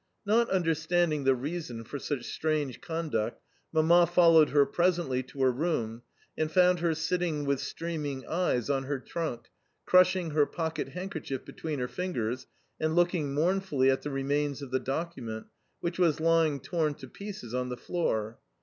Not understanding the reason for such strange conduct, Mamma followed her presently to her room, and found her sitting with streaming eyes on her trunk, crushing her pocket handkerchief between her fingers, and looking mournfully at the remains of the document, which was lying torn to pieces on the floor.